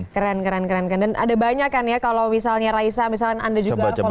keren keren keren kan dan ada banyak kan ya kalau misalnya raisa misalnya anda juga mau